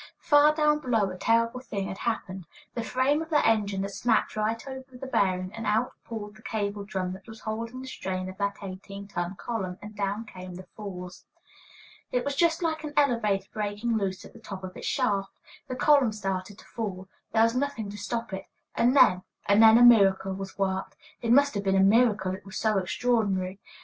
Far down below a terrible thing had happened: the frame of the engine had snapped right over the bearing, and out pulled the cable drum that was holding the strain of that eighteen ton column, and down came the falls. It was just like an elevator breaking loose at the top of its shaft. The column started to fall; there was nothing to stop it; and then and then a miracle was worked; it must have been a miracle; it is so extraordinary.